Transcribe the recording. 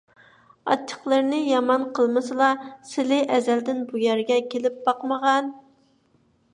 ئاچچىقلىرىنى يامان قىلمىسىلا، سىلى ئەزەلدىن بۇ يەرگە كېلىپ باقمىغان.